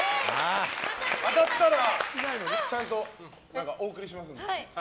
当たったらちゃんとお送りしますので。